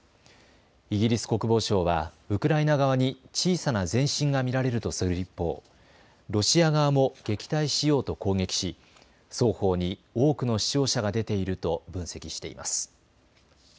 イギリス国防省はウクライナ側に小さな前進が見られるとする一方、ロシア側も撃退しようと攻撃し双方に多くの死傷者が出ていると分析しています。